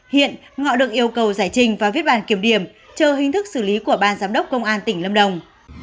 hiện ngọ được yêu cầu giải trình và viết bàn kiểm điểm chờ hình thức xử lý của ban giám đốc công an tỉnh lâm đồng